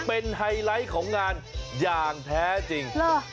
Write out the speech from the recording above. เป็นไฮไลท์ของงานอย่างแท้จริง